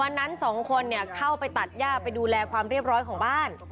วันนั้นสองคนเนี้ยเข้าไปตัดย่าไปดูแลความเรียบร้อยของบ้าน